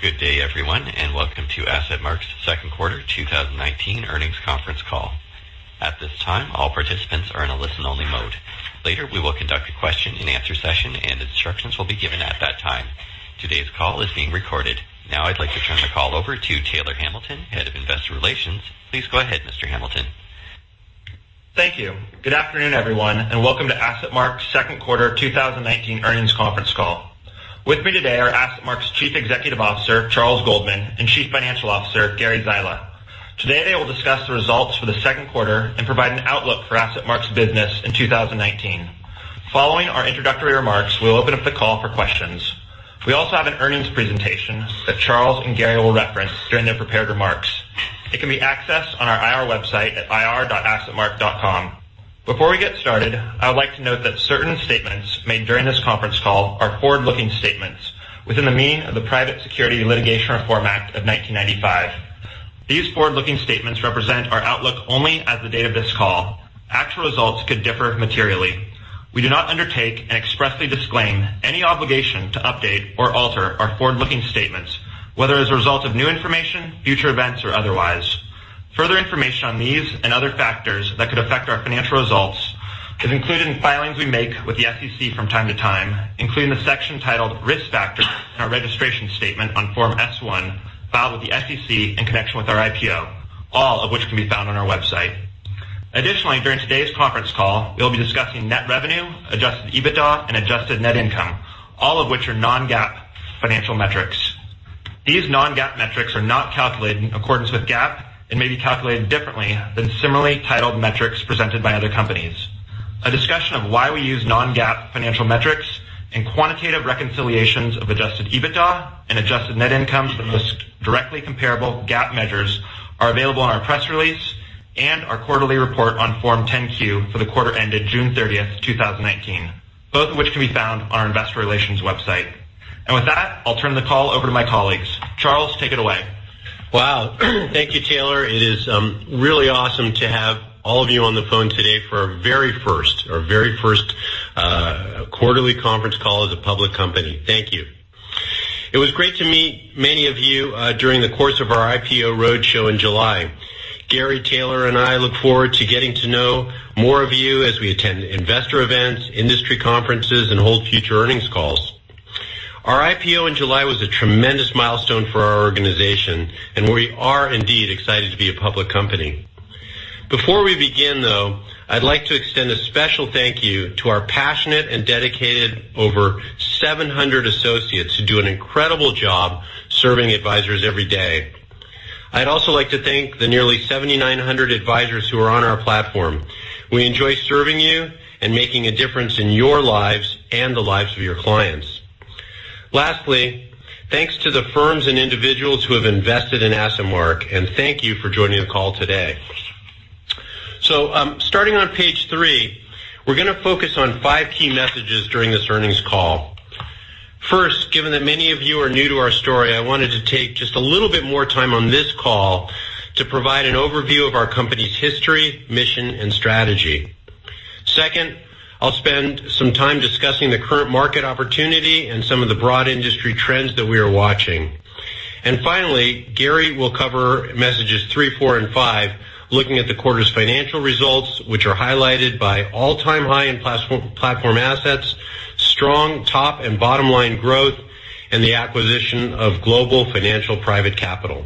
Good day, everyone, and welcome to AssetMark's Second Quarter 2019 Earnings Conference Call. At this time, all participants are in a listen-only mode. Later, we will conduct a question and answer session, and instructions will be given at that time. Today's call is being recorded. Now I'd like to turn the call over to Taylor Hamilton, Head of Investor Relations. Please go ahead, Mr. Hamilton. Thank you. Good afternoon, everyone, and welcome to AssetMark's Second Quarter 2019 Earnings Conference Call. With me today are AssetMark's Chief Executive Officer, Charles Goldman, and Chief Financial Officer, Gary Zyla. Today, they will discuss the results for the second quarter and provide an outlook for AssetMark's business in 2019. Following our introductory remarks, we'll open up the call for questions. We also have an earnings presentation that Charles and Gary will reference during their prepared remarks. It can be accessed on our IR website at ir.assetmark.com. Before we get started, I would like to note that certain statements made during this conference call are forward-looking statements within the meaning of the Private Securities Litigation Reform Act of 1995. These forward-looking statements represent our outlook only as of the date of this call. Actual results could differ materially. We do not undertake and expressly disclaim any obligation to update or alter our forward-looking statements, whether as a result of new information, future events, or otherwise. Further information on these and other factors that could affect our financial results is included in filings we make with the SEC from time to time, including the section titled Risk Factors in our registration statement on Form S-1 filed with the SEC in connection with our IPO, all of which can be found on our website. Additionally, during today's conference call, we'll be discussing net revenue, adjusted EBITDA, and adjusted net income, all of which are non-GAAP financial metrics. These non-GAAP metrics are not calculated in accordance with GAAP and may be calculated differently than similarly titled metrics presented by other companies. A discussion of why we use non-GAAP financial metrics and quantitative reconciliations of adjusted EBITDA and adjusted net income to the most directly comparable GAAP measures are available on our press release and our quarterly report on Form 10-Q for the quarter ended June 30th, 2019, both of which can be found on our investor relations website. With that, I'll turn the call over to my colleagues. Charles, take it away. Wow. Thank you, Taylor. It is really awesome to have all of you on the phone today for our very first quarterly conference call as a public company. Thank you. It was great to meet many of you during the course of our IPO roadshow in July. Gary, Taylor, and I look forward to getting to know more of you as we attend investor events, industry conferences, and hold future earnings calls. Our IPO in July was a tremendous milestone for our organization, and we are indeed excited to be a public company. Before we begin, though, I'd like to extend a special thank you to our passionate and dedicated over 700 associates who do an incredible job serving advisors every day. I'd also like to thank the nearly 7,900 advisors who are on our platform. We enjoy serving you and making a difference in your lives and the lives of your clients. Lastly, thanks to the firms and individuals who have invested in AssetMark, and thank you for joining the call today. Starting on page three, we're going to focus on five key messages during this earnings call. First, given that many of you are new to our story, I wanted to take just a little bit more time on this call to provide an overview of our company's history, mission, and strategy. Second, I'll spend some time discussing the current market opportunity and some of the broad industry trends that we are watching. Finally, Gary will cover messages three, four, and five, looking at the quarter's financial results, which are highlighted by all-time high in platform assets, strong top and bottom-line growth, and the acquisition of Global Financial Private Capital.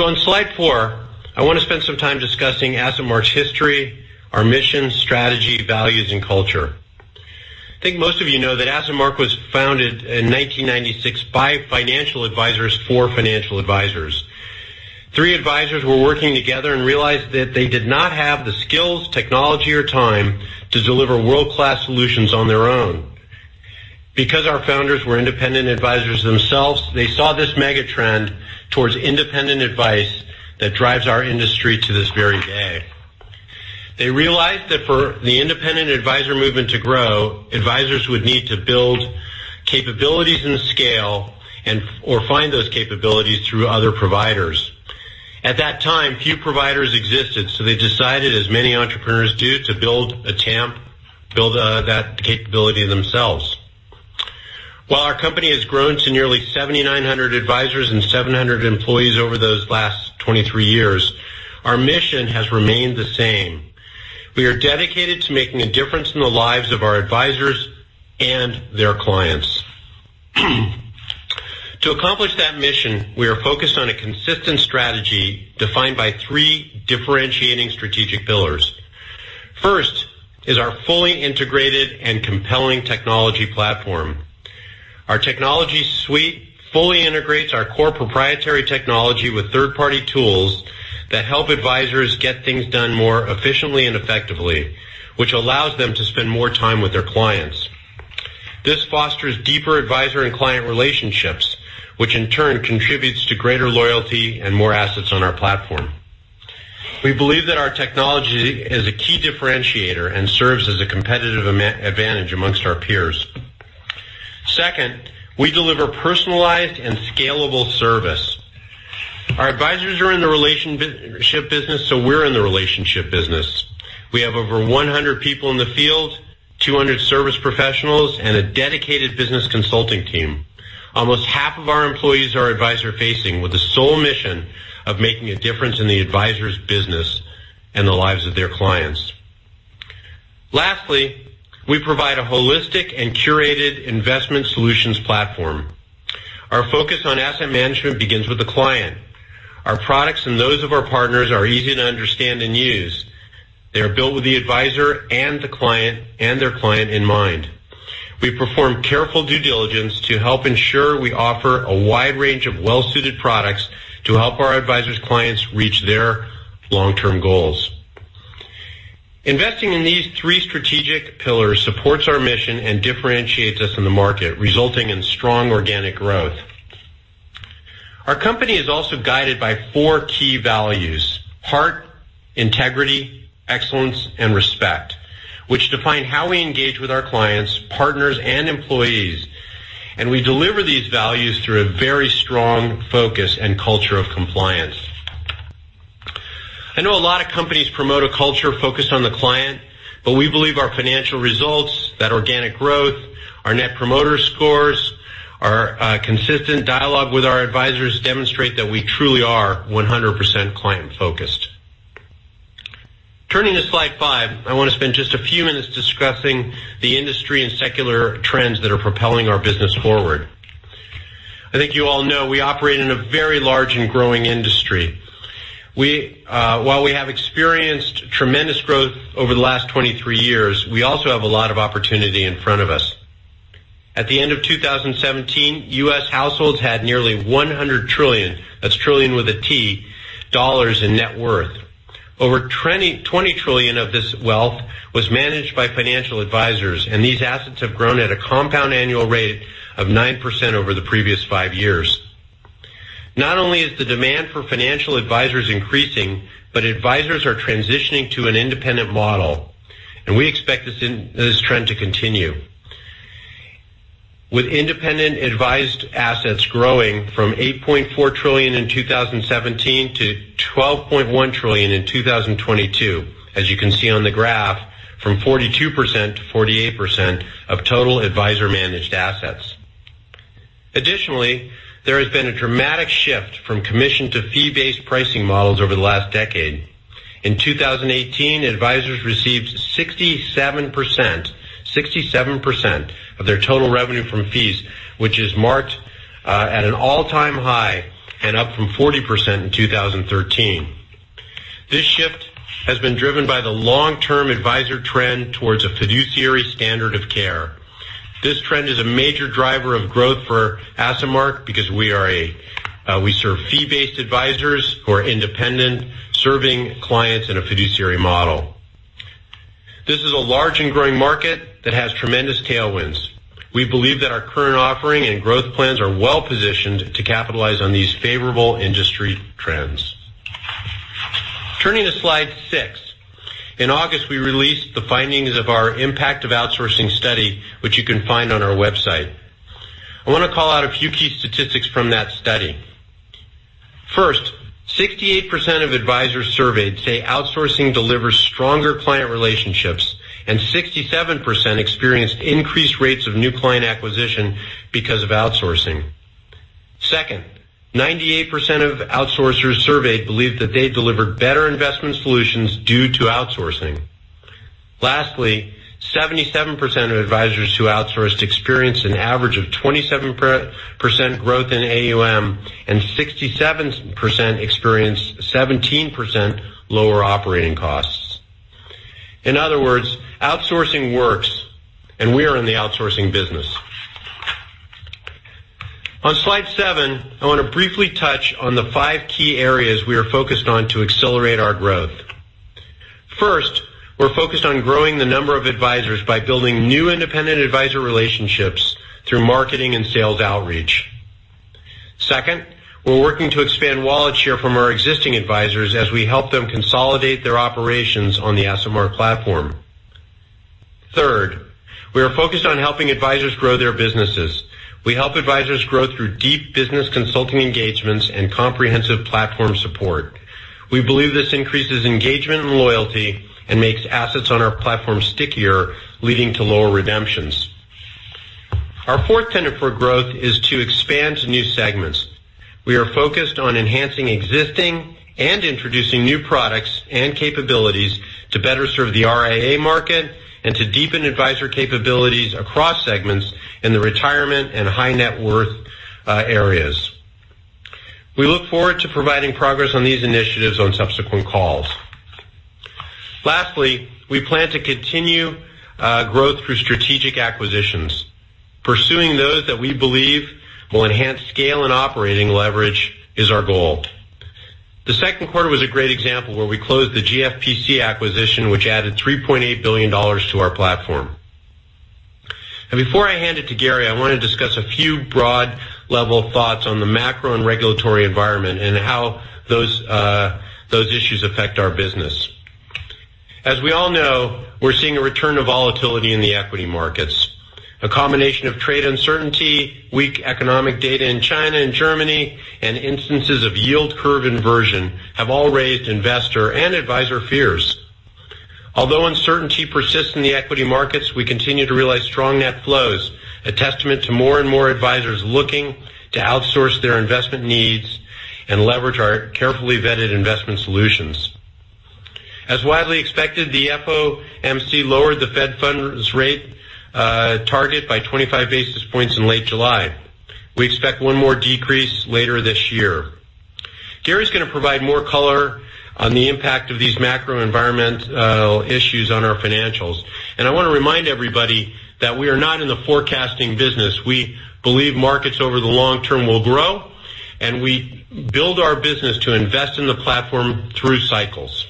On slide four, I want to spend some time discussing AssetMark's history, our mission, strategy, values, and culture. I think most of you know that AssetMark was founded in 1996 by financial advisors for financial advisors. Three advisors were working together and realized that they did not have the skills, technology, or time to deliver world-class solutions on their own. Because our founders were independent advisors themselves, they saw this mega trend towards independent advice that drives our industry to this very day. They realized that for the independent advisor movement to grow, advisors would need to build capabilities and scale or find those capabilities through other providers. At that time, few providers existed, so they decided, as many entrepreneurs do, to build a TAMP, build that capability themselves. While our company has grown to nearly 7,900 advisors and 700 employees over those last 23 years, our mission has remained the same. We are dedicated to making a difference in the lives of our advisors and their clients. To accomplish that mission, we are focused on a consistent strategy defined by three differentiating strategic pillars. First is our fully integrated and compelling technology platform. Our technology suite fully integrates our core proprietary technology with third-party tools that help advisors get things done more efficiently and effectively, which allows them to spend more time with their clients. This fosters deeper advisor and client relationships, which in turn contributes to greater loyalty and more assets on our platform. We believe that our technology is a key differentiator and serves as a competitive advantage amongst our peers. Second, we deliver personalized and scalable service. Our advisors are in the relationship business, we're in the relationship business. We have over 100 people in the field, 200 service professionals, and a dedicated business consulting team. Almost half of our employees are advisor facing with the sole mission of making a difference in the advisor's business and the lives of their clients. Lastly, we provide a holistic and curated investment solutions platform. Our focus on asset management begins with the client. Our products and those of our partners are easy to understand and use. They're built with the advisor and their client in mind. We perform careful due diligence to help ensure we offer a wide range of well-suited products to help our advisors' clients reach their long-term goals. Investing in these three strategic pillars supports our mission and differentiates us in the market, resulting in strong organic growth. Our company is also guided by four key values: heart, integrity, excellence, and respect, which define how we engage with our clients, partners, and employees. We deliver these values through a very strong focus and culture of compliance. I know a lot of companies promote a culture focused on the client, but we believe our financial results, that organic growth, our Net Promoter Scores, our consistent dialogue with our advisors demonstrate that we truly are 100% client-focused. Turning to slide five, I want to spend just a few minutes discussing the industry and secular trends that are propelling our business forward. I think you all know we operate in a very large and growing industry. While we have experienced tremendous growth over the last 23 years, we also have a lot of opportunity in front of us. At the end of 2017, U.S. households had nearly $100 trillion, that's trillion with a T, in net worth. Over $20 trillion of this wealth was managed by financial advisors, and these assets have grown at a compound annual rate of 9% over the previous five years. Not only is the demand for financial advisors increasing, but advisors are transitioning to an independent model, and we expect this trend to continue. With independent advised assets growing from $8.4 trillion in 2017 to $12.1 trillion in 2022, as you can see on the graph, from 42%-48% of total advisor-managed assets. Additionally, there has been a dramatic shift from commission to fee-based pricing models over the last decade. In 2018, advisors received 67%, 67% of their total revenue from fees, which is marked at an all-time high and up from 40% in 2013. This shift has been driven by the long-term advisor trend towards a fiduciary standard of care. This trend is a major driver of growth for AssetMark because we serve fee-based advisors who are independent, serving clients in a fiduciary model. This is a large and growing market that has tremendous tailwinds. We believe that our current offering and growth plans are well-positioned to capitalize on these favorable industry trends. Turning to slide six. In August, we released the findings of our impact of outsourcing study, which you can find on our website. I want to call out a few key statistics from that study. First, 68% of advisors surveyed say outsourcing delivers stronger client relationships, and 67% experienced increased rates of new client acquisition because of outsourcing. Second, 98% of outsourcers surveyed believed that they delivered better investment solutions due to outsourcing. Lastly, 77% of advisors who outsourced experienced an average of 27% growth in AUM, and 67% experienced 17% lower operating costs. In other words, outsourcing works, and we are in the outsourcing business. On slide seven, I want to briefly touch on the five key areas we are focused on to accelerate our growth. First, we're focused on growing the number of advisors by building new independent advisor relationships through marketing and sales outreach. Second, we're working to expand wallet share from our existing advisors as we help them consolidate their operations on the AssetMark platform. Third, we are focused on helping advisors grow their businesses. We help advisors grow through deep business consulting engagements and comprehensive platform support. We believe this increases engagement and loyalty and makes assets on our platform stickier, leading to lower redemptions. Our fourth tenet for growth is to expand to new segments. We are focused on enhancing existing and introducing new products and capabilities to better serve the RIA market and to deepen advisor capabilities across segments in the retirement and high net worth areas. We look forward to providing progress on these initiatives on subsequent calls. We plan to continue growth through strategic acquisitions. Pursuing those that we believe will enhance scale and operating leverage is our goal. The second quarter was a great example where we closed the GFPC acquisition, which added $3.8 billion to our platform. Before I hand it to Gary, I want to discuss a few broad level thoughts on the macro and regulatory environment and how those issues affect our business. As we all know, we're seeing a return of volatility in the equity markets. A combination of trade uncertainty, weak economic data in China and Germany, and instances of yield curve inversion have all raised investor and advisor fears. Although uncertainty persists in the equity markets, we continue to realize strong net flows, a testament to more and more advisors looking to outsource their investment needs and leverage our carefully vetted investment solutions. As widely expected, the FOMC lowered the Fed funds rate target by 25 basis points in late July. We expect one more decrease later this year. Gary's going to provide more color on the impact of these macro environmental issues on our financials. I want to remind everybody that we are not in the forecasting business. We believe markets over the long term will grow, and we build our business to invest in the platform through cycles.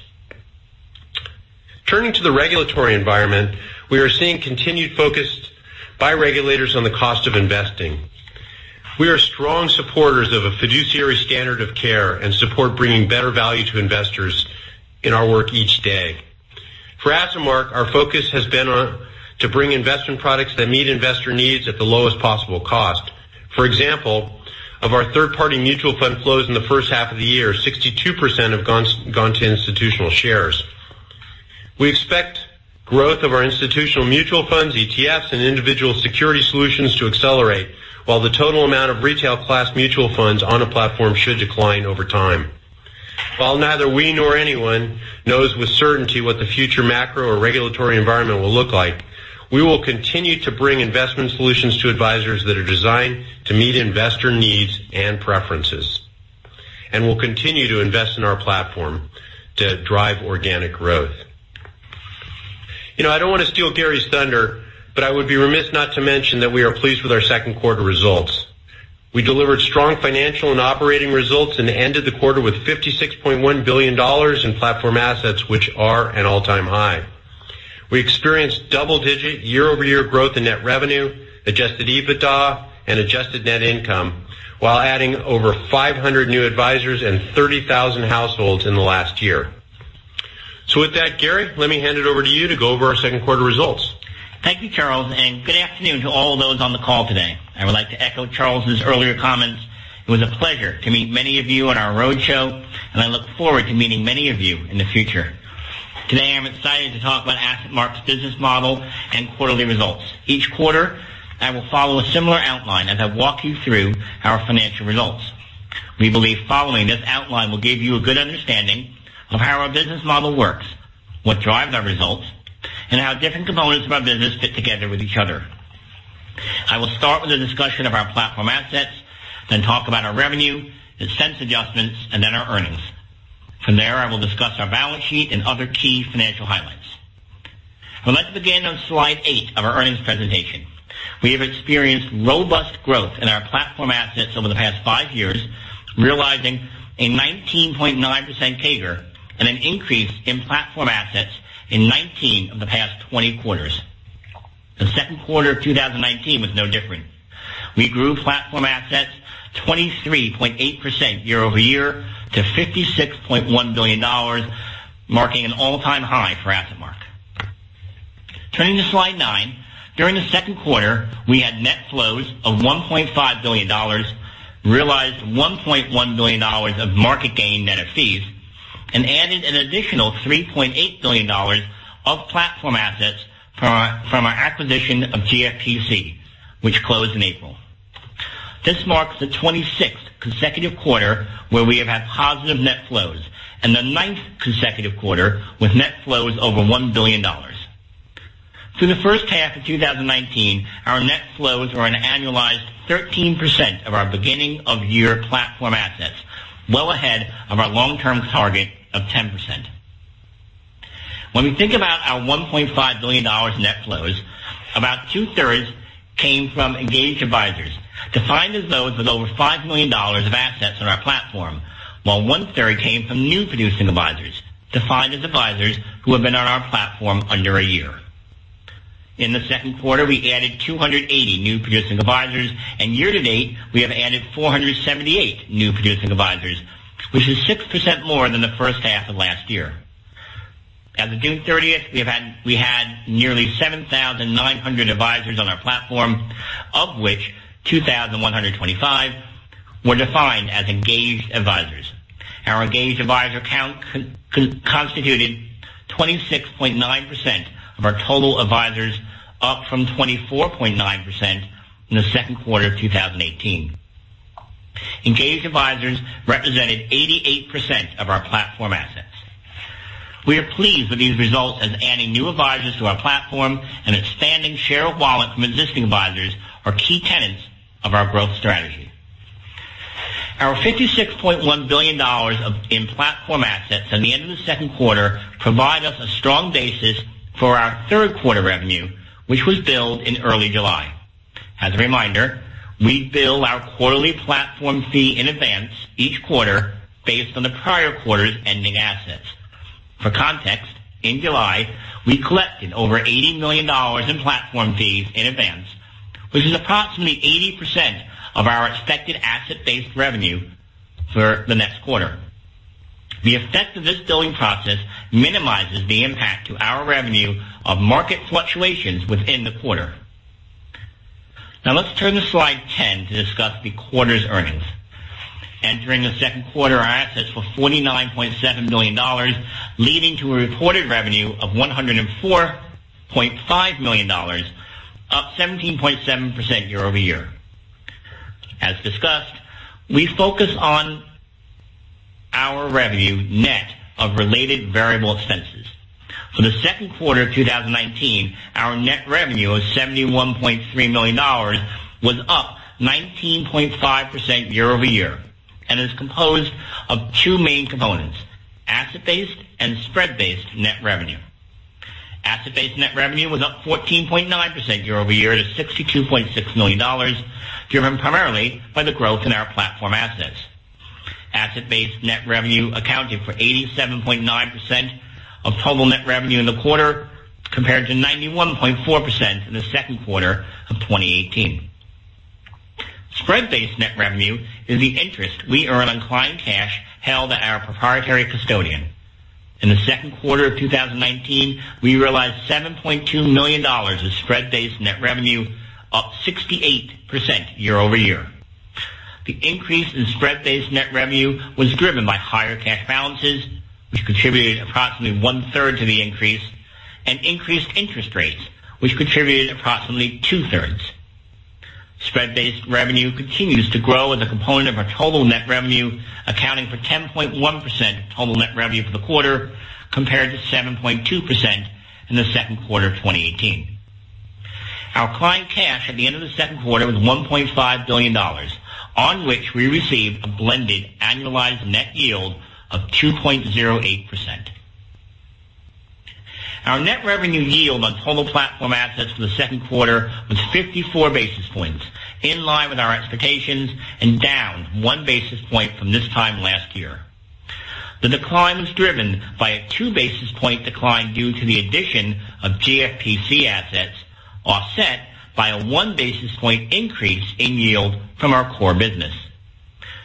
Turning to the regulatory environment, we are seeing continued focus by regulators on the cost of investing. We are strong supporters of a fiduciary standard of care and support bringing better value to investors in our work each day. For AssetMark, our focus has been to bring investment products that meet investor needs at the lowest possible cost. For example, of our third-party mutual fund flows in the first half of the year, 62% have gone to institutional shares. We expect growth of our institutional mutual funds, ETFs, and individual security solutions to accelerate, while the total amount of retail class mutual funds on the platform should decline over time. While neither we nor anyone knows with certainty what the future macro or regulatory environment will look like, we will continue to bring investment solutions to advisors that are designed to meet investor needs and preferences. We'll continue to invest in our platform to drive organic growth. I don't want to steal Gary's thunder, but I would be remiss not to mention that we are pleased with our second quarter results. We delivered strong financial and operating results and ended the quarter with $56.1 billion in platform assets, which are an all-time high. We experienced double-digit year-over-year growth in net revenue, adjusted EBITDA, and adjusted net income, while adding over 500 new advisors and 30,000 households in the last year. With that, Gary, let me hand it over to you to go over our second quarter results. Thank you, Charles, and good afternoon to all of those on the call today. I would like to echo Charles' earlier comments. It was a pleasure to meet many of you on our roadshow, and I look forward to meeting many of you in the future. Today, I'm excited to talk about AssetMark's business model and quarterly results. Each quarter, I will follow a similar outline as I walk you through our financial results. We believe following this outline will give you a good understanding of how our business model works, what drives our results, and how different components of our business fit together with each other. I will start with a discussion of our platform assets, then talk about our revenue, expense adjustments, and then our earnings. From there, I will discuss our balance sheet and other key financial highlights. I would like to begin on slide eight of our earnings presentation. We have experienced robust growth in our platform assets over the past five years, realizing a 19.9% CAGR and an increase in platform assets in 19 of the past 20 quarters. The second quarter of 2019 was no different. We grew platform assets 23.8% year-over-year to $56.1 billion, marking an all-time high for AssetMark. Turning to slide nine. During the second quarter, we had net flows of $1.5 billion, realized $1.1 billion of market gain net of fees, and added an additional $3.8 billion of platform assets from our acquisition of GFPC, which closed in April. This marks the 26th consecutive quarter where we have had positive net flows, and the ninth consecutive quarter with net flows over $1 billion. Through the first half of 2019, our net flows are an annualized 13% of our beginning of year platform assets, well ahead of our long-term target of 10%. When we think about our $1.5 billion net flows, about two-thirds came from engaged advisors, defined as those with over $5 million of assets on our platform, while one-third came from new producing advisors, defined as advisors who have been on our platform under a year. In the second quarter, we added 280 new producing advisors, and year to date, we have added 478 new producing advisors, which is 6% more than the first half of last year. As of June 30th, we had nearly 7,900 advisors on our platform, of which 2,125 were defined as engaged advisors. Our engaged advisor count constituted 26.9% of our total advisors, up from 24.9% in the second quarter of 2018. Engaged advisors represented 88% of our platform assets. We are pleased with these results as adding new advisors to our platform and expanding share of wallet from existing advisors are key tenets of our growth strategy. Our $56.1 billion in platform assets at the end of the second quarter provide us a strong basis for our third quarter revenue, which was billed in early July. As a reminder, we bill our quarterly platform fee in advance each quarter based on the prior quarter's ending assets. For context, in July, we collected over $80 million in platform fees in advance, which is approximately 80% of our expected asset-based revenue for the next quarter. The effect of this billing process minimizes the impact to our revenue of market fluctuations within the quarter. Now let's turn to slide 10 to discuss the quarter's earnings. Entering the second quarter, our assets were $49.7 million, leading to a reported revenue of $104.5 million, up 17.7% year-over-year. As discussed, we focus on our revenue net of related variable expenses. For the second quarter of 2019, our net revenue of $71.3 million was up 19.5% year-over-year and is composed of two main components: asset-based and spread-based net revenue. Asset-based net revenue was up 14.9% year-over-year to $62.6 million, driven primarily by the growth in our platform assets. Asset-based net revenue accounted for 87.9% of total net revenue in the quarter, compared to 91.4% in the second quarter of 2018. Spread-based net revenue is the interest we earn on client cash held at our proprietary custodian. In the second quarter of 2019, we realized $7.2 million of spread-based net revenue, up 68% year-over-year. The increase in spread-based net revenue was driven by higher cash balances, which contributed approximately 1/3 to the increase, and increased interest rates, which contributed approximately 2/3. Spread-based revenue continues to grow as a component of our total net revenue, accounting for 10.1% of total net revenue for the quarter, compared to 7.2% in the second quarter of 2018. Our client cash at the end of the second quarter was $1.5 billion, on which we received a blended annualized net yield of 2.08%. Our net revenue yield on total platform assets for the second quarter was 54 basis points, in line with our expectations and down 1 basis point from this time last year. The decline was driven by a 2 basis point decline due to the addition of GFPC assets, offset by a 1 basis point increase in yield from our core business.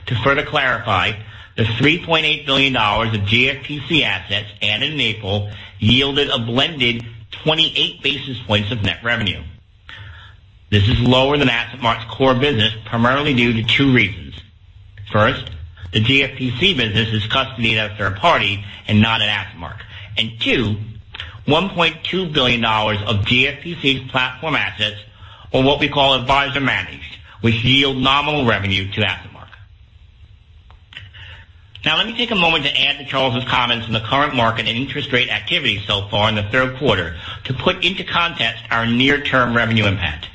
To further clarify, the $3.8 billion of GFPC assets added in April yielded a blended 28 basis points of net revenue. This is lower than AssetMark's core business, primarily due to two reasons. First, the GFPC business is custodied at a third party and not at AssetMark. Two, $1.2 billion of GFPC's platform assets are what we call advisor-managed, which yield nominal revenue to AssetMark. Now let me take a moment to add to Charles' comments on the current market and interest rate activity so far in the third quarter to put into context our near-term revenue impact.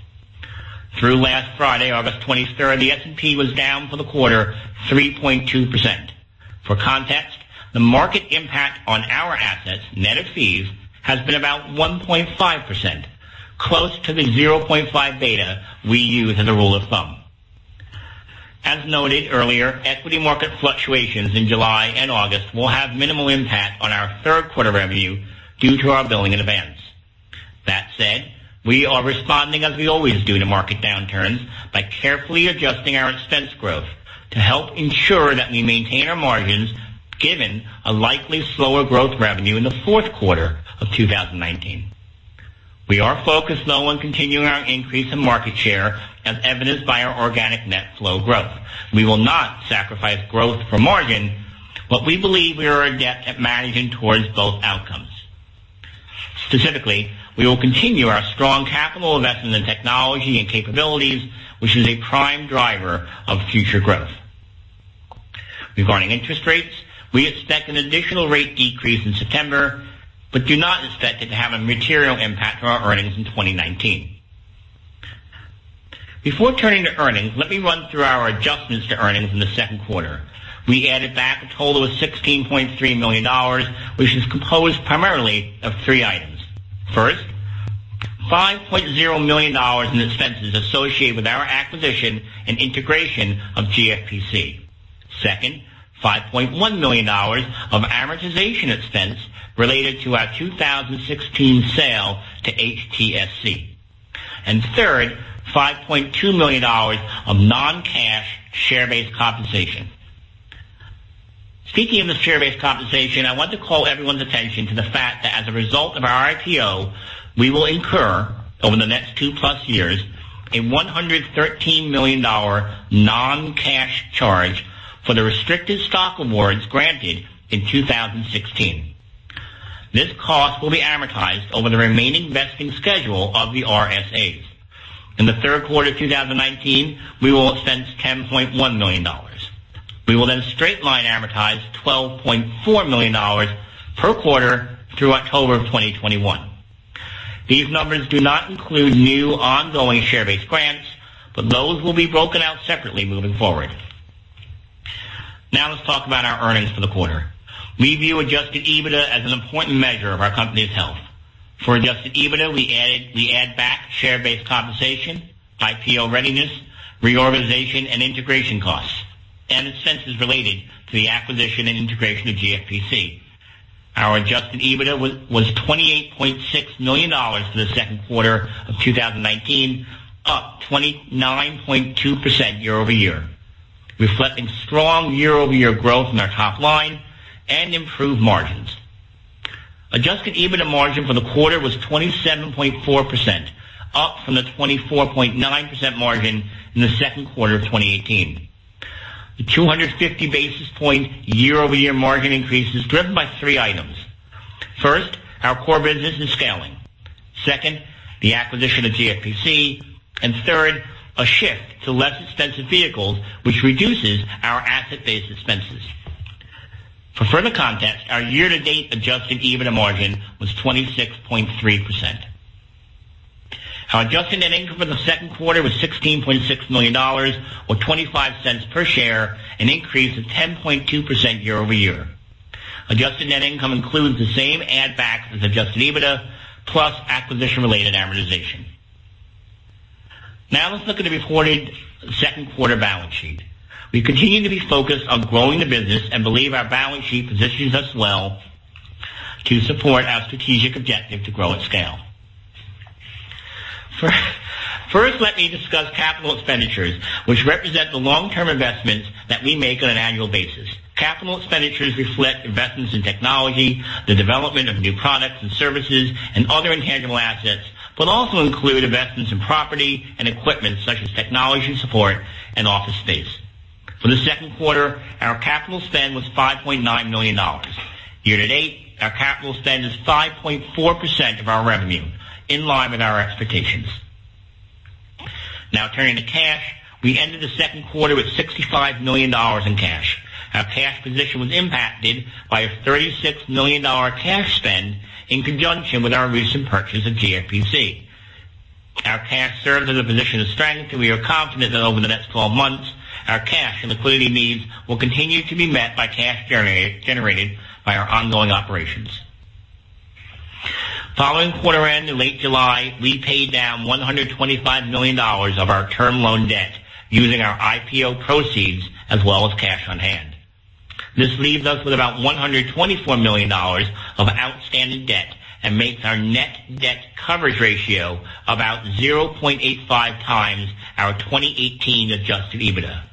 Through last Friday, August 23rd, the S&P was down for the quarter 3.2%. For context, the market impact on our assets, net of fees, has been about 1.5%, close to the 0.5 beta we use as a rule of thumb. As noted earlier, equity market fluctuations in July and August will have minimal impact on our third quarter revenue due to our billing in advance. That said, we are responding as we always do to market downturns by carefully adjusting our expense growth to help ensure that we maintain our margins, given a likely slower growth revenue in the fourth quarter of 2019. We are focused, though, on continuing our increase in market share, as evidenced by our organic net flow growth. We will not sacrifice growth for margin, but we believe we are adept at managing towards both outcomes. Specifically, we will continue our strong capital investment in technology and capabilities, which is a prime driver of future growth. Regarding interest rates, we expect an additional rate decrease in September, but do not expect it to have a material impact on our earnings in 2019. Before turning to earnings, let me run through our adjustments to earnings in the second quarter. We added back a total of $16.3 million, which is composed primarily of three items. First, $5.0 million in expenses associated with our acquisition and integration of GFPC. Second, $5.1 million of amortization expense related to our 2016 sale to HTSC. Third, $5.2 million of non-cash share-based compensation. Speaking of the share-based compensation, I want to call everyone's attention to the fact that as a result of our IPO, we will incur over the next two-plus years a $113 million non-cash charge for the restricted stock awards granted in 2016. This cost will be amortized over the remaining vesting schedule of the RSAs. In the third quarter of 2019, we will expense $10.1 million. We will then straight-line amortize $12.4 million per quarter through October of 2021. These numbers do not include new ongoing share-based grants, but those will be broken out separately moving forward. Now let's talk about our earnings for the quarter. We view adjusted EBITDA as an important measure of our company's health. For adjusted EBITDA, we add back share-based compensation, IPO readiness, reorganization, and integration costs, and expenses related to the acquisition and integration of GFPC. Our adjusted EBITDA was $28.6 million for the second quarter of 2019, up 29.2% year-over-year, reflecting strong year-over-year growth in our top line and improved margins. Adjusted EBITDA margin for the quarter was 27.4%, up from the 24.9% margin in the second quarter of 2018. The 250 basis point year-over-year margin increase is driven by three items. First, our core business is scaling. Second, the acquisition of GFPC. Third, a shift to less expensive vehicles, which reduces our asset-based expenses. For further context, our year-to-date adjusted EBITDA margin was 26.3%. Our adjusted net income for the second quarter was $16.6 million, or $0.25 per share, an increase of 10.2% year-over-year. Adjusted net income includes the same add-backs as adjusted EBITDA, plus acquisition-related amortization. Now let's look at the reported second quarter balance sheet. We continue to be focused on growing the business and believe our balance sheet positions us well to support our strategic objective to grow at scale. First, let me discuss capital expenditures, which represent the long-term investments that we make on an annual basis. Capital expenditures reflect investments in technology, the development of new products and services, and other intangible assets, but also include investments in property and equipment such as technology support and office space. For the second quarter, our capital spend was $5.9 million. Year-to-date, our capital spend is 5.4% of our revenue, in line with our expectations. Turning to cash. We ended the second quarter with $65 million in cash. Our cash position was impacted by a $36 million cash spend in conjunction with our recent purchase of GFPC. Our cash serves as a position of strength, and we are confident that over the next 12 months, our cash and liquidity needs will continue to be met by cash generated by our ongoing operations. Following quarter-end in late July, we paid down $125 million of our term loan debt using our IPO proceeds as well as cash on hand. This leaves us with about $124 million of outstanding debt and makes our net debt coverage ratio about 0.85x our 2018 adjusted EBITDA.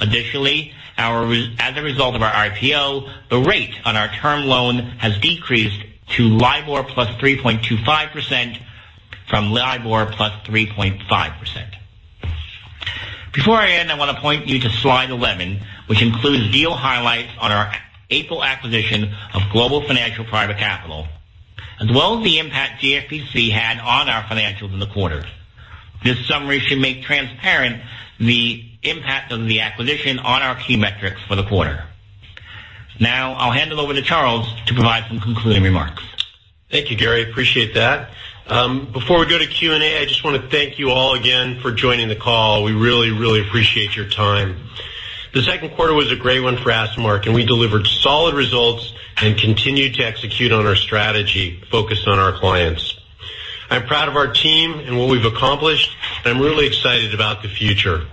Additionally, as a result of our IPO, the rate on our term loan has decreased to LIBOR plus 3.25% from LIBOR plus 3.5%. Before I end, I want to point you to slide 11, which includes deal highlights on our April acquisition of Global Financial Private Capital, as well as the impact GFPC had on our financials in the quarter. This summary should make transparent the impact of the acquisition on our key metrics for the quarter. Now, I'll hand it over to Charles to provide some concluding remarks. Thank you, Gary. Appreciate that. Before we go to Q&A, I just want to thank you all again for joining the call. We really, really appreciate your time. The second quarter was a great one for AssetMark, and we delivered solid results and continued to execute on our strategy focused on our clients. I'm proud of our team and what we've accomplished, and I'm really excited about the future.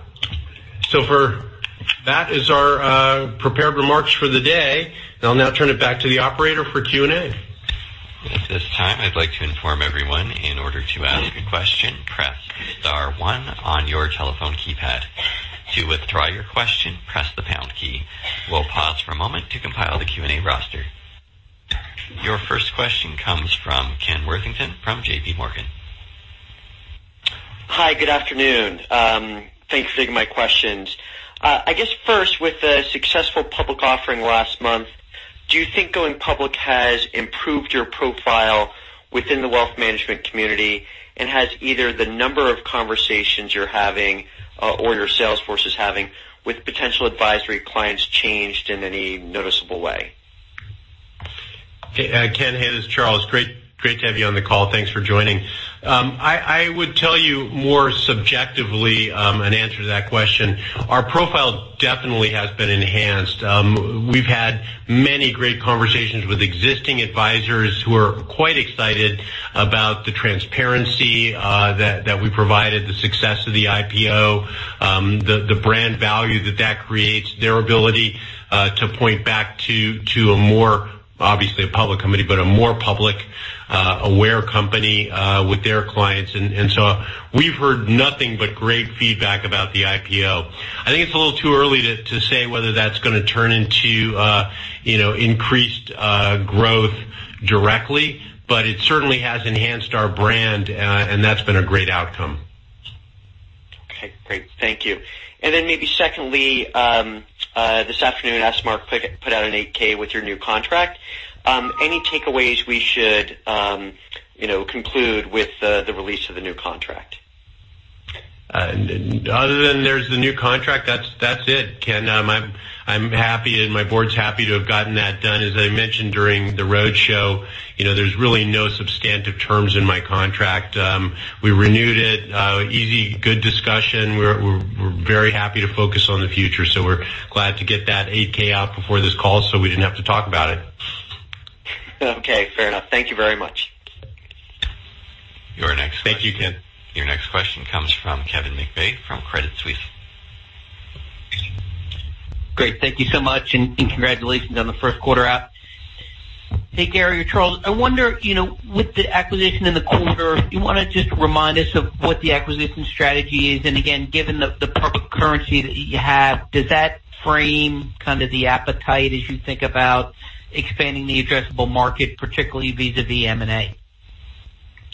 That is our prepared remarks for the day, and I'll now turn it back to the operator for Q&A. At this time, I'd like to inform everyone in order to ask a question, press star one on your telephone keypad. To withdraw your question, press the pound key. We'll pause for a moment to compile the Q&A roster. Your first question comes from Ken Worthington from JPMorgan. Hi. Good afternoon. Thanks for taking my questions. I guess first with the successful public offering last month, do you think going public has improved your profile within the wealth management community, and has either the number of conversations you're having or your sales force is having with potential advisory clients changed in any noticeable way? Ken, hey, this is Charles. Great to have you on the call. Thanks for joining. I would tell you more subjectively in answer to that question. Our profile definitely has been enhanced. We've had many great conversations with existing advisors who are quite excited about the transparency that we provided, the success of the IPO, the brand value that that creates, their ability to point back to a more, obviously a public company, but a more public-aware company with their clients. We've heard nothing but great feedback about the IPO. I think it's a little too early to say whether that's going to turn into increased growth directly, but it certainly has enhanced our brand, and that's been a great outcome. Okay, great. Thank you. Maybe secondly, this afternoon AssetMark put out an 8-K with your new contract. Any takeaways we should conclude with the release of the new contract? Other than there's the new contract, that's it, Ken. I'm happy and my board's happy to have gotten that done. As I mentioned during the roadshow, there's really no substantive terms in my contract. We renewed it. Easy, good discussion. We're very happy to focus on the future. We're glad to get that 8-K out before this call so we didn't have to talk about it. Okay, fair enough. Thank you very much. Your next question. Thank you, Ken. Your next question comes from Kevin McVeigh from Credit Suisse. Great. Thank you so much, and congratulations on the first quarter out. Hey, Gary or Charles, I wonder, with the acquisition in the quarter, do you want to just remind us of what the acquisition strategy is? Again, given the public currency that you have, does that frame kind of the appetite as you think about expanding the addressable market, particularly vis-a-vis M&A?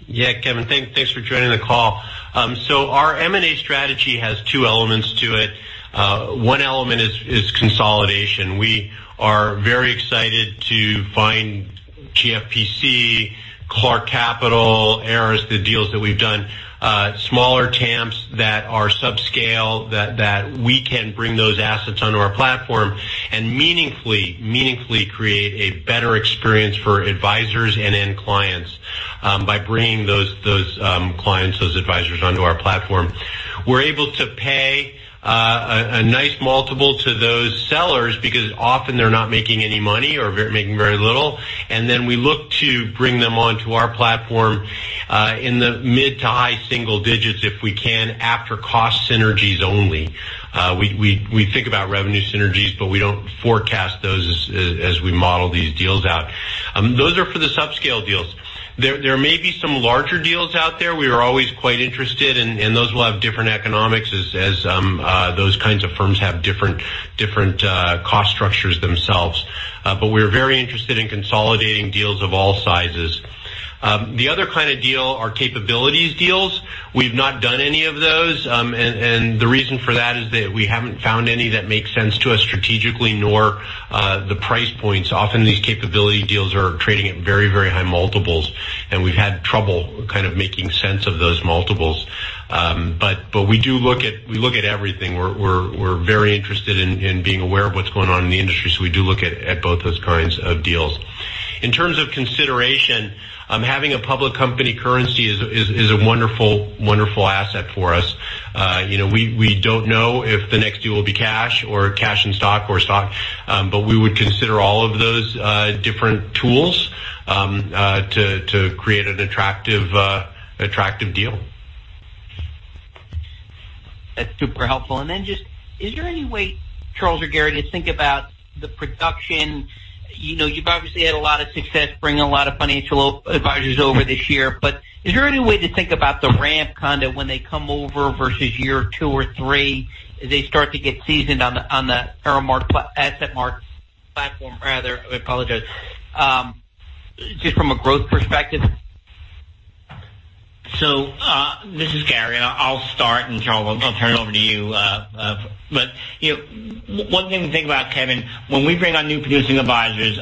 Yeah, Kevin. Thanks for joining the call. Our M&A strategy has two elements to it. One element is consolidation. We are very excited to find GFPC, Clark Capital, Ares, the deals that we've done. Smaller TAMPs that are subscale, that we can bring those assets onto our platform and meaningfully create a better experience for advisors and end clients, by bringing those clients, those advisors onto our platform. We're able to pay a nice multiple to those sellers because often they're not making any money or making very little. We look to bring them onto our platform, in the mid to high single digits, if we can, after cost synergies only. We think about revenue synergies, but we don't forecast those as we model these deals out. Those are for the subscale deals. There may be some larger deals out there. We are always quite interested, and those will have different economics, as those kinds of firms have different cost structures themselves. We're very interested in consolidating deals of all sizes. The other kind of deal are capabilities deals. We've not done any of those. The reason for that is that we haven't found any that make sense to us strategically, nor the price points. Often these capability deals are trading at very high multiples, and we've had trouble kind of making sense of those multiples. We look at everything. We're very interested in being aware of what's going on in the industry. We do look at both those kinds of deals. In terms of consideration, having a public company currency is a wonderful asset for us. We don't know if the next deal will be cash or cash and stock or stock, but we would consider all of those different tools to create an attractive deal. That's super helpful. Then just, is there any way, Charles or Gary, to think about the production? You've obviously had a lot of success bringing a lot of financial advisors over this year. Is there any way to think about the ramp kind of when they come over versus year two or three, as they start to get seasoned on the AssetMark platform? Just from a growth perspective. This is Gary, and I'll start, and Charles, I'll turn it over to you. One thing to think about, Kevin, when we bring on new producing advisors,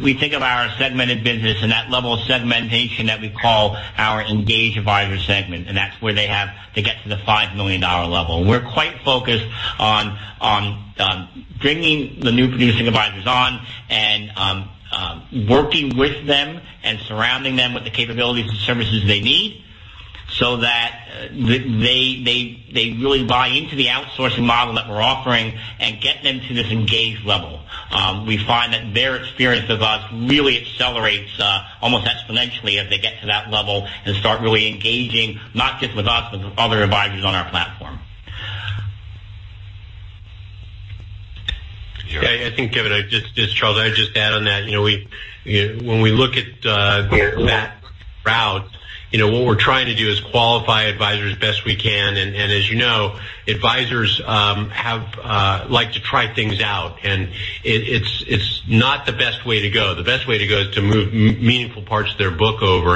we think of our segmented business and that level of segmentation that we call our engaged advisor segment, and that's where they get to the $5 million level. We're quite focused on bringing the new producing advisors on and working with them and surrounding them with the capabilities and services they need so that they really buy into the outsourcing model that we're offering and get them to this engaged level. We find that their experience with us really accelerates almost exponentially as they get to that level and start really engaging, not just with us, but with other advisors on our platform. Yeah, I think, Kevin, Charles, I'd just add on that. When we look at that route, what we're trying to do is qualify advisors best we can. As you know, advisors like to try things out, and it's not the best way to go. The best way to go is to move meaningful parts of their book over.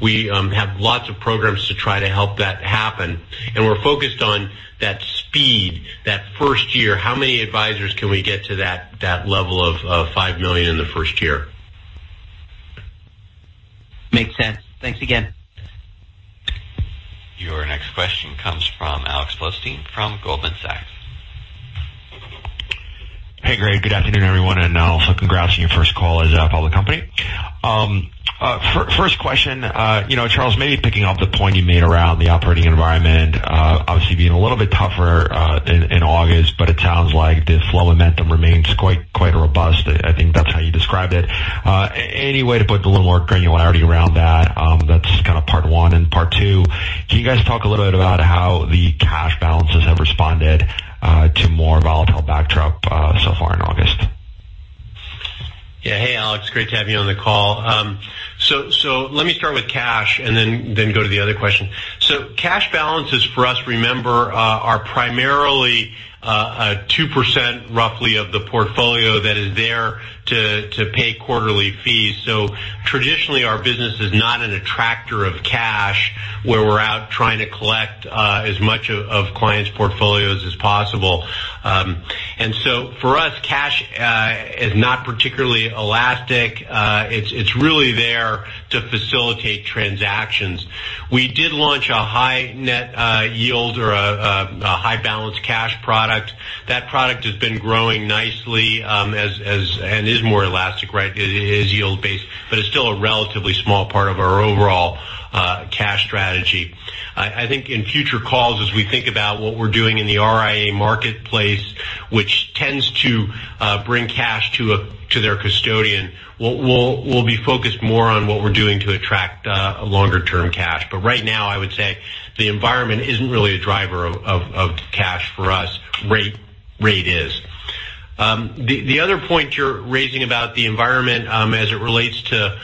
We have lots of programs to try to help that happen, and we're focused on that speed that first year. How many advisors can we get to that level of $5 million in the first year? Makes sense. Thanks again. Your next question comes from Alex Blostein from Goldman Sachs. Hey, great. Good afternoon, everyone. Also congrats on your first call as a public company. First question, Charles, maybe picking up the point you made around the operating environment, obviously being a little bit tougher in August, but it sounds like the flow momentum remains quite robust. I think that's how you described it. Any way to put a little more granularity around that? That's kind of part one. Part two, can you guys talk a little bit about how the cash balances have responded to more volatile backdrop so far in August? Hey, Alex. Great to have you on the call. Let me start with cash and then go to the other question. Cash balances for us, remember, are primarily 2%, roughly, of the portfolio that is there to pay quarterly fees. Traditionally, our business is not an attractor of cash where we're out trying to collect as much of clients' portfolios as possible. For us, cash is not particularly elastic. It's really there to facilitate transactions. We did launch a high net yield or a high balance cash product. That product has been growing nicely, and is more elastic, right? It is yield based, but it's still a relatively small part of our overall cash strategy. I think in future calls, as we think about what we're doing in the RIA marketplace, which tends to bring cash to their custodian, we'll be focused more on what we're doing to attract longer term cash. Right now, I would say the environment isn't really a driver of cash for us. Rate is. The other point you're raising about the environment as it relates to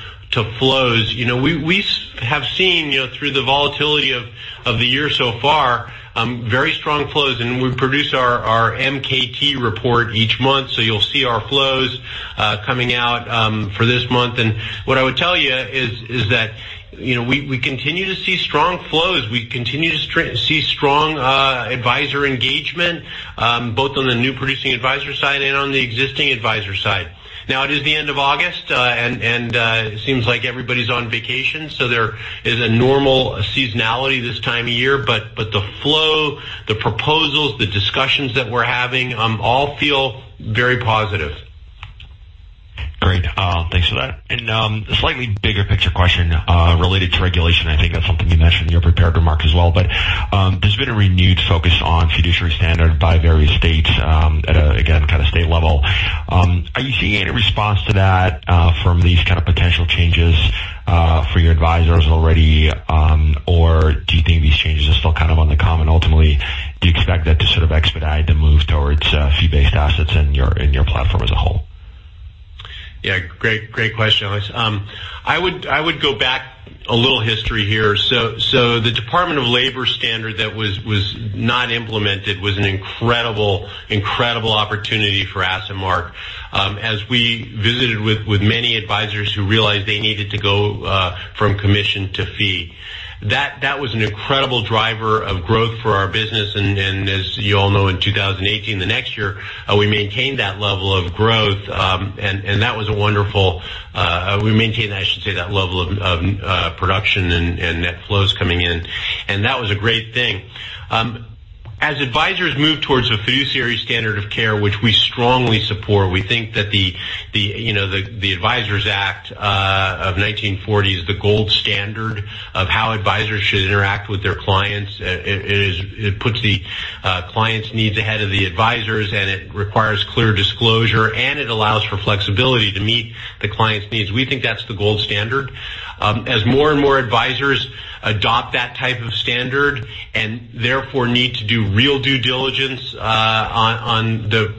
flows, we have seen through the volatility of the year so far, very strong flows, and we produce our MKT report each month. You'll see our flows coming out for this month. What I would tell you is that we continue to see strong flows. We continue to see strong advisor engagement, both on the new producing advisor side and on the existing advisor side. It is the end of August, and it seems like everybody's on vacation, so there is a normal seasonality this time of year. The flow, the proposals, the discussions that we're having, all feel very positive. Great. Thanks for that. A slightly bigger picture question related to regulation. I think that's something you mentioned in your prepared remarks as well. There's been a renewed focus on fiduciary standard by various states at, again, state level. Are you seeing any response to that from these kind of potential changes for your advisors already? Do you think these changes are still on the come on ultimately? Do you expect that to expedite the move towards fee-based assets in your platform as a whole? Yeah. Great question, Alex. I would go back a little history here. The Department of Labor standard that was not implemented was an incredible opportunity for AssetMark. As we visited with many advisors who realized they needed to go from commission to fee. That was an incredible driver of growth for our business, and as you all know, in 2018, the next year, we maintained that level of growth, and that was wonderful. We maintained, I should say, that level of production and net flows coming in, and that was a great thing. As advisors move towards a fiduciary standard of care, which we strongly support, we think that the Investment Advisers Act of 1940 is the gold standard of how advisors should interact with their clients. It puts the client's needs ahead of the advisors, and it requires clear disclosure, and it allows for flexibility to meet the client's needs. We think that's the gold standard. As more and more advisors adopt that type of standard, and therefore need to do real due diligence on the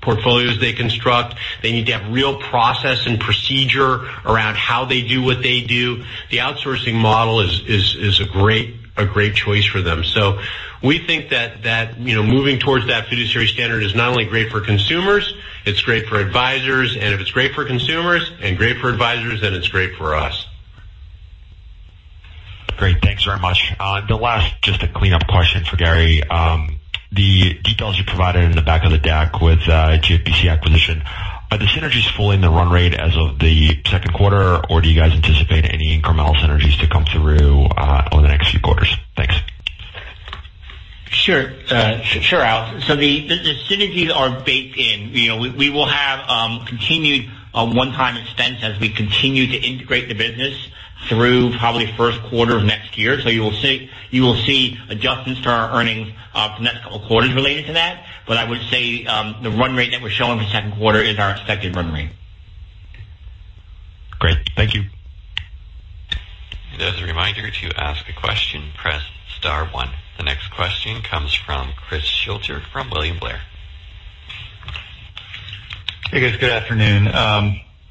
portfolios they construct, they need to have real process and procedure around how they do what they do. The outsourcing model is a great choice for them. We think that moving towards that fiduciary standard is not only great for consumers, it's great for advisors. If it's great for consumers and great for advisors, then it's great for us. Great. Thanks very much. The last, just a cleanup question for Gary. The details you provided in the back of the deck with GFPC acquisition. Are the synergies fully in the run rate as of the second quarter, or do you guys anticipate any incremental synergies to come through over the next few quarters? Thanks. Sure, Alex. The synergies are baked in. We will have continued one-time expense as we continue to integrate the business through probably first quarter of next year. You will see adjustments to our earnings for the next couple of quarters related to that. I would say, the run rate that we're showing for the second quarter is our expected run rate. Great. Thank you. As a reminder, to ask a question, press star one. The next question comes from Chris Shutler from William Blair. Hey, guys. Good afternoon.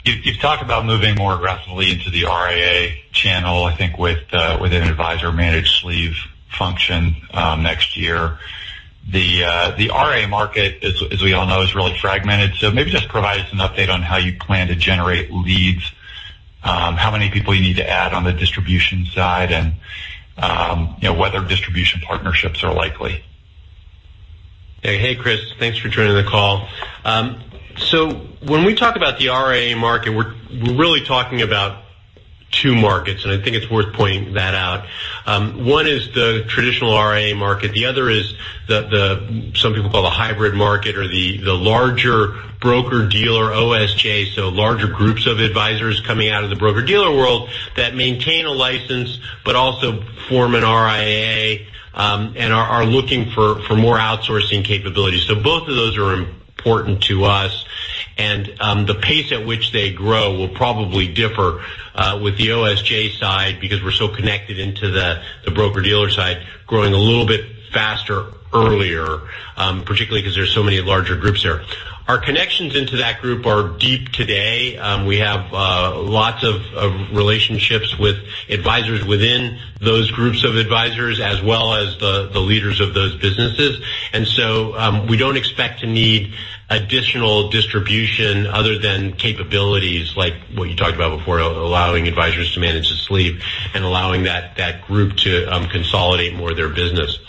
You've talked about moving more aggressively into the RIA channel, I think with an advisor managed sleeve function next year. The RIA market, as we all know, is really fragmented. Maybe just provide us an update on how you plan to generate leads, how many people you need to add on the distribution side, and whether distribution partnerships are likely. Hey, Chris. Thanks for joining the call. When we talk about the RIA market, we're really talking about two markets, and I think it's worth pointing that out. One is the traditional RIA market, the other is some people call the hybrid market or the larger broker-dealer OSJ, so larger groups of advisors coming out of the broker-dealer world that maintain a license but also form an RIA, and are looking for more outsourcing capabilities. Both of those are important to us. The pace at which they grow will probably differ with the OSJ side because we're so connected into the broker-dealer side, growing a little bit faster earlier, particularly because there's so many larger groups there. Our connections into that group are deep today. We have lots of relationships with advisors within those groups of advisors, as well as the leaders of those businesses. We don't expect to need additional distribution other than capabilities like what you talked about before, allowing advisors to manage the sleeve and allowing that group to consolidate more of their business.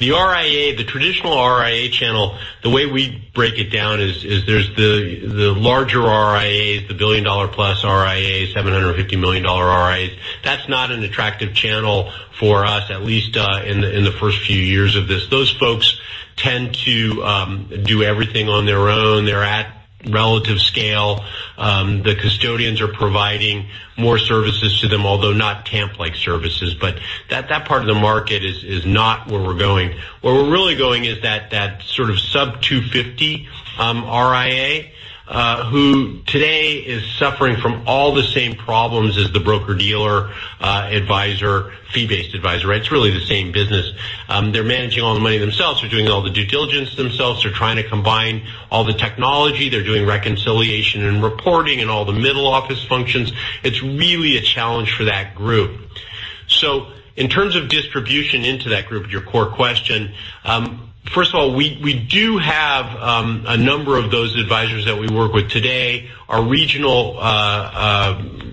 The traditional RIA channel, the way we break it down is there's the larger RIAs, the billion-dollar plus RIAs, $750 million RIAs. That's not an attractive channel for us, at least in the first few years of this. Those folks tend to do everything on their own. They're at relative scale. The custodians are providing more services to them, although not TAMP-like services. That part of the market is not where we're going. Where we're really going is that sub-250 RIA, who today is suffering from all the same problems as the broker-dealer fee-based advisor. It's really the same business. They're managing all the money themselves. They're doing all the due diligence themselves. They're trying to combine all the technology. They're doing reconciliation and reporting, and all the middle-office functions. It's really a challenge for that group. In terms of distribution into that group, your core question, first of all, we do have a number of those advisors that we work with today. Our regional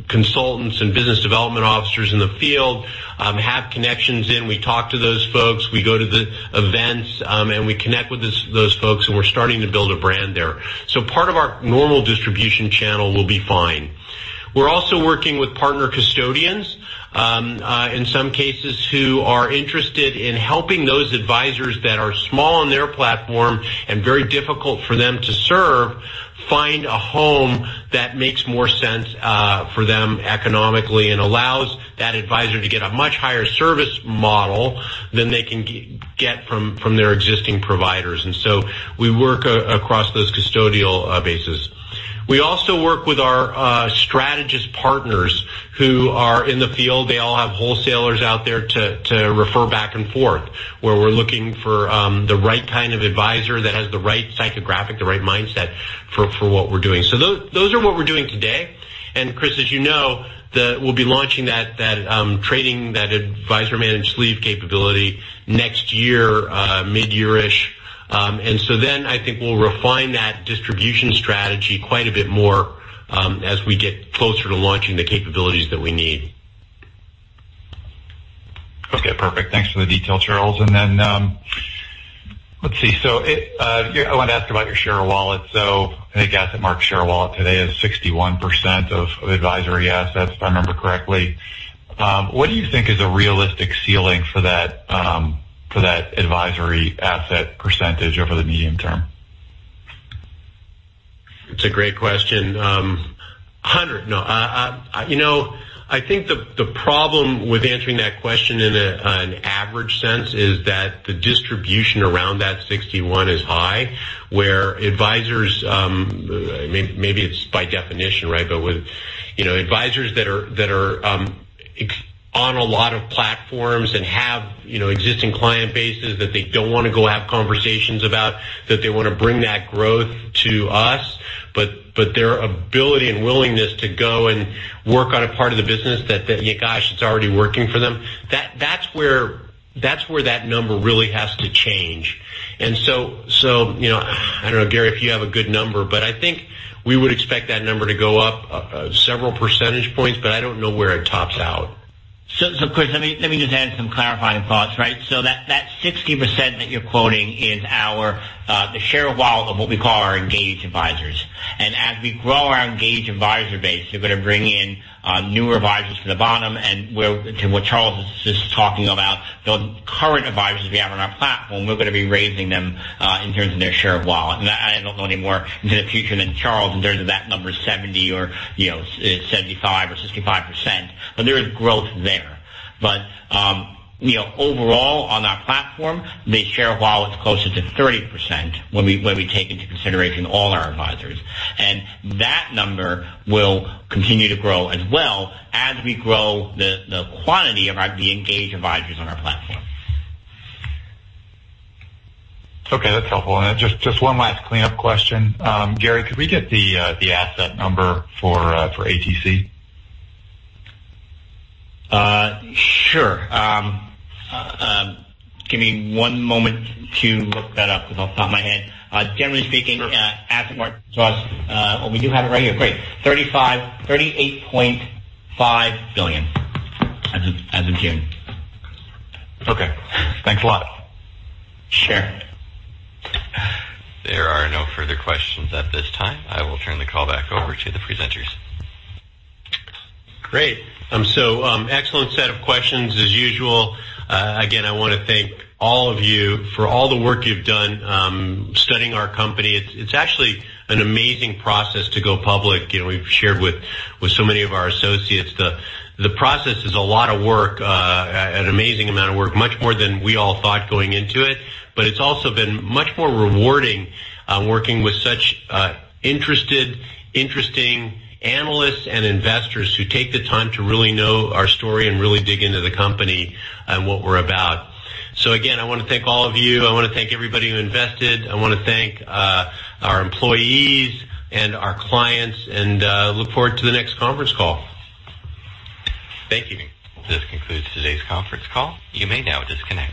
consultants and business development officers in the field have connections in. We talk to those folks, we go to the events, and we connect with those folks, and we're starting to build a brand there. Part of our normal distribution channel will be fine. We're also working with partner custodians, in some cases, who are interested in helping those advisors that are small on their platform and very difficult for them to serve, find a home that makes more sense for them economically and allows that advisor to get a much higher service model than they can get from their existing providers. We work across those custodial bases. We also work with our strategist partners who are in the field. They all have wholesalers out there to refer back and forth, where we're looking for the right kind of advisor that has the right psychographic, the right mindset for what we're doing. Those are what we're doing today. Chris Shutler, as you know, we'll be launching that trading, that advisor managed sleeve capability next year, midyear-ish. I think we'll refine that distribution strategy quite a bit more as we get closer to launching the capabilities that we need. Okay, perfect. Thanks for the detail, Charles. let's see. I wanted to ask about your share of wallet. I think AssetMark share of wallet today is 61% of advisory assets, if I remember correctly. What do you think is a realistic ceiling for that advisory asset percentage over the medium term? It's a great question. 100. No. I think the problem with answering that question in an average sense is that the distribution around that 61 is high, where advisors, maybe it's by definition, but with advisors that are on a lot of platforms and have existing client bases that they don't want to go have conversations about, that they want to bring that growth to us, but their ability and willingness to go and work on a part of the business that, gosh, it's already working for them. That's where that number really has to change. I don't know, Gary, if you have a good number, but I think we would expect that number to go up several percentage points, but I don't know where it tops out. Chris, let me just add some clarifying thoughts. That 60% that you're quoting is the share of wallet of what we call our engaged advisors. As we grow our engaged advisor base, we're going to bring in newer advisors from the bottom, and to what Charles was just talking about, the current advisors we have on our platform, we're going to be raising them in terms of their share of wallet. I don't know any more into the future than Charles in terms of that number, 70 or 75 or 65%, but there is growth there. Overall, on our platform, the share of wallet's closer to 30% when we take into consideration all our advisors. That number will continue to grow as well as we grow the quantity of the engaged advisors on our platform. Okay, that's helpful. Just one last cleanup question. Gary, could we get the asset number for ATC? Sure. Give me one moment to look that up, because off the top of my head. Sure AssetMark Trust. We do have it right here. Great. $38.5 billion as of June. Okay. Thanks a lot. Sure. There are no further questions at this time. I will turn the call back over to the presenters. Great. Excellent set of questions as usual. Again, I want to thank all of you for all the work you've done studying our company. It's actually an amazing process to go public. We've shared with so many of our associates, the process is a lot of work, an amazing amount of work, much more than we all thought going into it. It's also been much more rewarding working with such interested, interesting analysts and investors who take the time to really know our story and really dig into the company and what we're about. Again, I want to thank all of you. I want to thank everybody who invested. I want to thank our employees and our clients, and look forward to the next conference call. Thank you. This concludes today's conference call. You may now disconnect.